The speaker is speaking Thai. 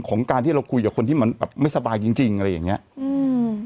ของการที่เราคุยกับคนที่มันแบบไม่สบายจริงจริงอะไรอย่างเงี้ยอืม